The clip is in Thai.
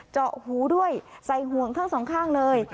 เจาะหูด้วยใส่ห่วงทั้งสองข้างเลย